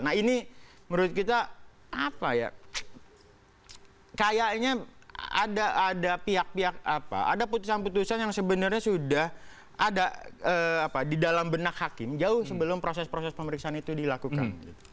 nah ini menurut kita apa ya kayaknya ada pihak pihak apa ada putusan putusan yang sebenarnya sudah ada di dalam benak hakim jauh sebelum proses proses pemeriksaan itu dilakukan